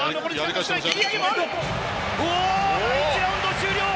第１ラウンド終了！